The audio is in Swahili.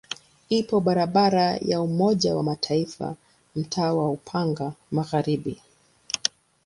Ipo barabara ya Umoja wa Mataifa mtaa wa Upanga Magharibi.